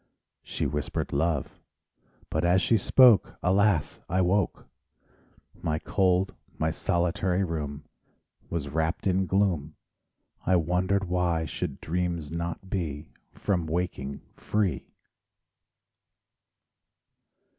She whispered love. But as she spoke, Alas, I woke! My cold, my solitary room Was wrapped in gloom; I wondered why should dreams not be From waking free.